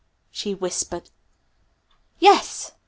she whispered. "Yes!"